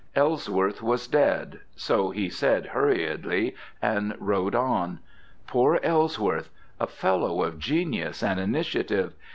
Ellsworth was dead, so he said hurriedly, and rode on. Poor Ellsworth! a fellow of genius and initiative!